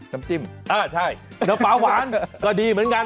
น้ำจิ้มอ่าใช่น้ำปลาหวานก็ดีเหมือนกัน